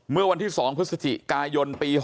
เมื่อวันที่สองพฤษฐิกายนปี๖๕